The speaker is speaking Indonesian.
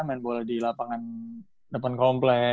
main bola di lapangan depan komplek